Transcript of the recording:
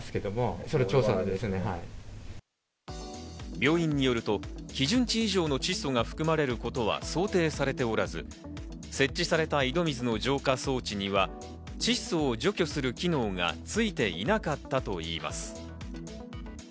病院によると、基準値以上の窒素が含まれることは想定されておらず、設置された井戸水の浄化装置には、窒素を除去する機能がついていなかったといいます。